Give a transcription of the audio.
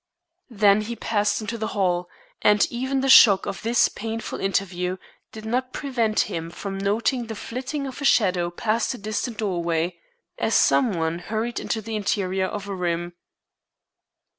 Then he passed into the hall; and even the shock of this painful interview did not prevent him from noting the flitting of a shadow past a distant doorway, as some one hurried into the interior of a room.